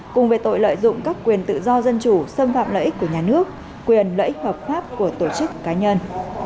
cùng về tội lợi dụng các quyền tự do dân chủ xâm phạm lợi ích của nhà nước quyền lợi ích hợp pháp của tổ chức cá nhân